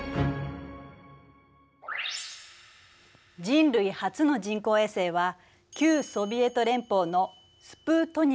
人類初の人工衛星は旧ソビエト連邦の「スプートニク１号」。